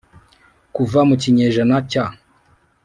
kuva mu kinyejana cya